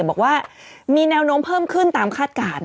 บอกว่ามีแนวโน้มเพิ่มขึ้นตามคาดการณ์